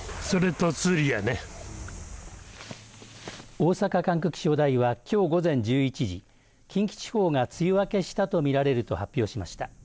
大阪管区気象台はきょう午前１１時近畿地方が梅雨明けしたとみられると発表しました。